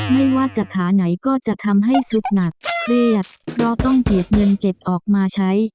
ไม่ว่าจะขาไหนก็จะทำให้สุดหนักเครียดเพราะต้องเก็บเงินเก็บออกมาใช้